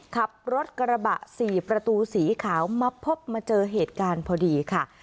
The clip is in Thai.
ขับรถกระบะ๔ประตูสีขาวมาพบมาเจอเหตุการณ์พอดีค่ะ